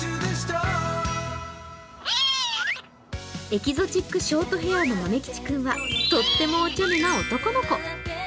エキゾチックショートヘアのまめ吉君はとってもおちゃめな男の子。